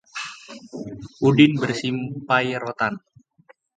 Udin bersimpai rotan